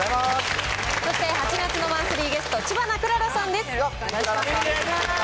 そして８月のマンスリーゲスト、知花くららさんです。